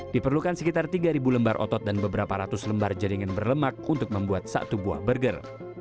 diperlukan sekitar tiga lembar otot dan beberapa ratus lembar jaringan berlemak untuk membuat satu buah burger